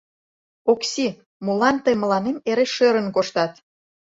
Окси, молан тый мыланем эре шӧрын коштат?